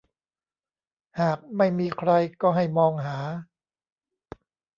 หากไม่มีใครก็ให้มองหา